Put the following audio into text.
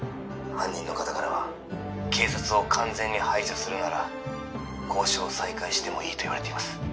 犯人の方からは警察を完全に排除するなら交渉を再開してもいいと言われています